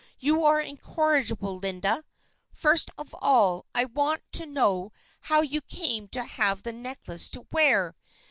"You are incorrigible, Linda. First of all, I want to know how you came to have the necklace to wear.